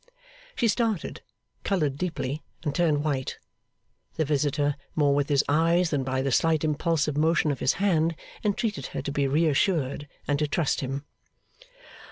She started, coloured deeply, and turned white. The visitor, more with his eyes than by the slight impulsive motion of his hand, entreated her to be reassured and to trust him.